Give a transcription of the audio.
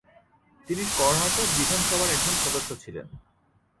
তিনি কর্ণাটক বিধানসভার একজন সদস্য ছিলেন।